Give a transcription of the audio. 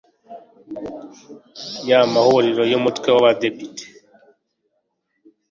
y amahuriro y umutwe w abadepite